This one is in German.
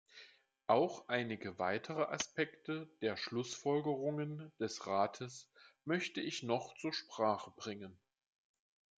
Auch einige weitere Aspekte der Schlussfolgerungen des Rates möchte ich noch zur Sprache bringen.